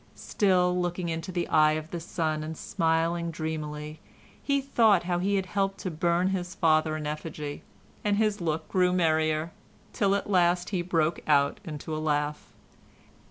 Still looking into the eye of the sun and smiling dreamily, he thought how he had helped to burn his father in effigy, and his look grew merrier, till at last he broke out into a laugh.